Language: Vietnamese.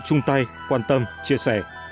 chung tay quan tâm chia sẻ